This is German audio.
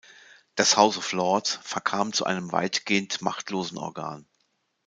Das House of Lords verkam zu einem weitgehend machtlosen Organ.